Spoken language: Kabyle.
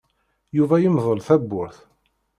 Yuba yemdel tawwurt.